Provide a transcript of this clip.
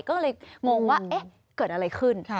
ก็เลยงงว่าเกิดอะไรขึ้น